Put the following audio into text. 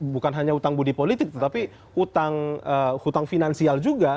bukan hanya utang budi politik tapi utang finansial juga